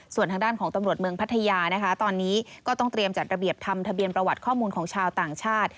ส่วนทางด้านของตำรวจเมืองพัทยานะคะตอนนี้ก็ต้องเตรียมจัดระเบียบทำทะเบียนประวัติข้อมูลของชาวต่างชาติ